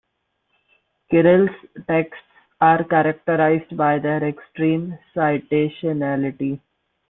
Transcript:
Kirill's texts are characterized by their extreme citationality.